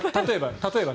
例えば何？